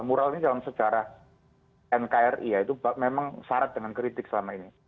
mural ini dalam sejarah nkri ya itu memang syarat dengan kritik selama ini